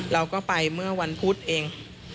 เราก็ไปเมื่อวันพุธเอง